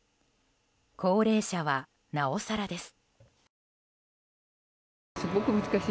高齢者はなおさらです。